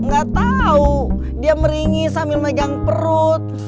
gak tau dia meringis sambil megang perut